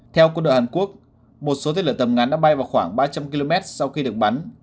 theo quân đội hàn quốc một số tên lửa tầm ngắn đã bay vào khoảng ba trăm linh km sau khi được bắn